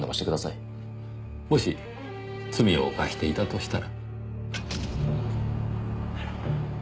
もし罪を犯していたとしたら。